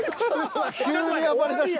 急に暴れだした。